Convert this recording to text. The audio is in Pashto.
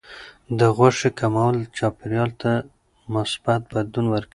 د غوښې کمول چاپیریال ته مثبت بدلون ورکوي.